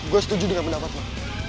gue setuju dengan pendapat lo